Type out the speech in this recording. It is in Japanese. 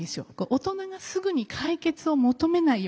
大人がすぐに解決を求めないようにする。